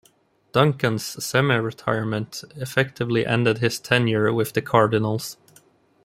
Duncan's semi-retirement effectively ended his tenure with the Cardinals.